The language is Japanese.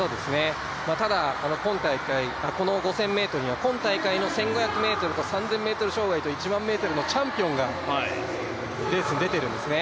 ただ、この５０００ｍには今大会の１５００ｍと３０００ｍ障害と１００００ｍのチャンピオンがレースに出ているんですね。